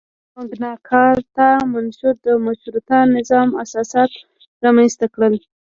مګناکارتا منشور د مشروطه نظام اساسات رامنځته کړل.